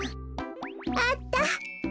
あった。